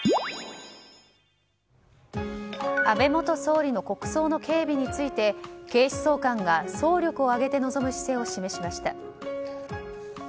安倍元総理の国葬の警備について、警視総監が総力を挙げて臨む姿勢を示しました。